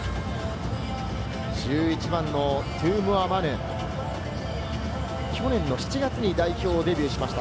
１１番のトゥームア・マヌ、去年の７月に代表デビューしました。